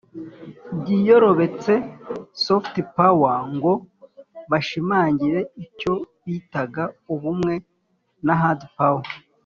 bwiyorobetse (soft power) ngo bashimangire icyo bitaga ubumwe na hard power.